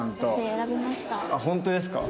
本当ですか？